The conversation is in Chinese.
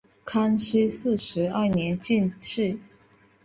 康熙四十二年进士。